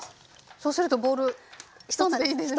そうするとボウル１つでいいんですね。